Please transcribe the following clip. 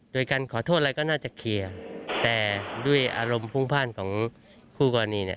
โดยการขอโทษอะไรก็น่าจะแพร่แต่ด้วยอารมณ์ภูมิพลาดของคู่กันนี่